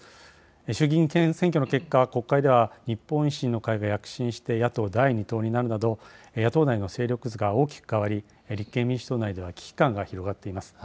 衆議院選挙の結果、国会では、日本維新の会が躍進して、野党第２党になるなど、野党内の勢力図が大きく変わり、立憲民主党内では、危機感が広がっています。